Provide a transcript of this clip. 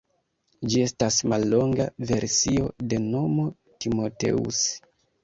Ĝi estas mallonga versio de nomo Timoteus.